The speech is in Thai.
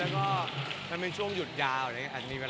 ก็มันเป็นช่วงหยุดยาวอะไรอย่างเงี้ยครับ